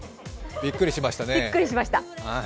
びっくりしましたね。